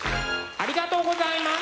ありがとうございます。